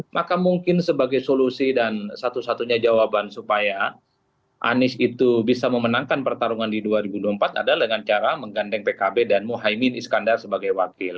maka mungkin sebagai solusi dan satu satunya jawaban supaya anies itu bisa memenangkan pertarungan di dua ribu dua puluh empat adalah dengan cara menggandeng pkb dan muhaymin iskandar sebagai wakil